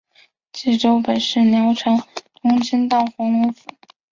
济州本是辽朝东京道黄龙府。